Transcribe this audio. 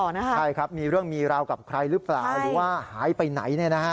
ใช่ครับมีเรื่องมีราวกับใครหรือเปล่าหรือว่าหายไปไหน